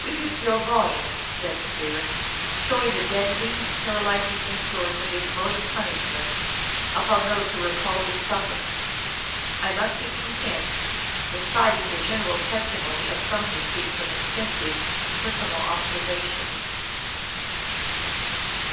"We could fill volumes," says Spear, shdwing the deadening, paralyzing influence of this mode of punishment upon those who are called to suffer." I must be content with citing the general testimony of some who speak from extensive personal observation.